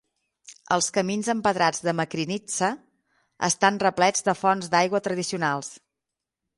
Els camins empedrats de Makrinitsa estan replets de fonts d'aigua tradicionals